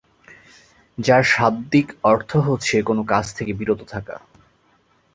যার শাব্দিক অর্থ হচ্ছে কোনো কাজ থেকে বিরত থাকা।